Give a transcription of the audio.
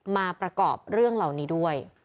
มาประกอบเรื่องเหล่านี้ด้วย